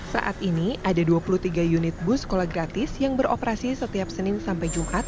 saat ini ada dua puluh tiga unit bus sekolah gratis yang beroperasi setiap senin sampai jumat